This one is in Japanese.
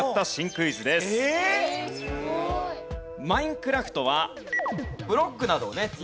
『マインクラフト』はブロックなどをね